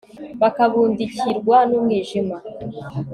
bakabundikirwa n'umwijima